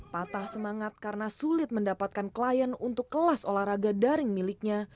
patah semangat karena sulit mendapatkan klien untuk kelas olahraga daring miliknya